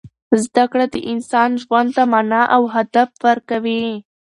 زده کړه د انسان ژوند ته مانا او هدف ورکوي.